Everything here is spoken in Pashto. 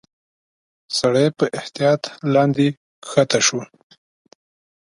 سړی په احتياط لاندي کښته شو.